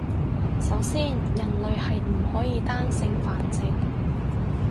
首先人類係唔可以單性繁殖